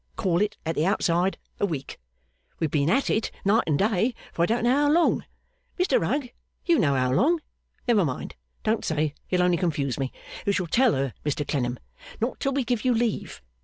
Call it at the outside a week. We've been at it night and day for I don't know how long. Mr Rugg, you know how long? Never mind. Don't say. You'll only confuse me. You shall tell her, Mr Clennam. Not till we give you leave.